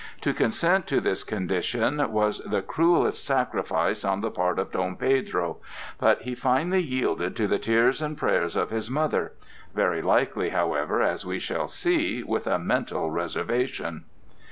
To consent to this condition was the cruelest sacrifice on the part of Dom Pedro, but he finally yielded to the tears and prayers of his mother—very likely, however, as we shall see, with a mental reservation.